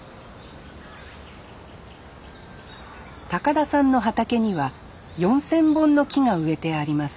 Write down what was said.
田さんの畑には４，０００本の木が植えてあります